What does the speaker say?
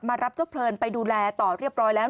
รับเจ้าเพลินไปดูแลต่อเรียบร้อยแล้ว